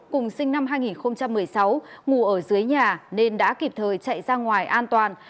cùng sinh năm hai nghìn một mươi sáu ngủ ở dưới nhà nên đã kịp thời chạy ra ngoài an toàn